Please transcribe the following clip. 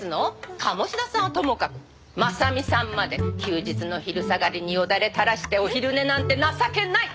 鴨志田さんはともかく真実さんまで休日の昼下がりによだれ垂らしてお昼寝なんて情けない！